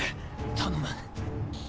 頼む。